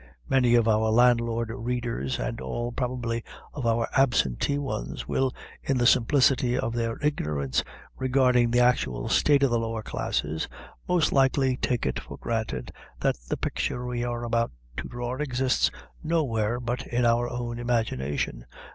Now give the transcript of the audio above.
Many of our Landlord readers, and all, probably, of our Absentee ones, will, in the simplicity of their ignorance regarding the actual state of the lower classes, most likely take it for granted that the picture we are about to draw exists nowhere but in our own imagination.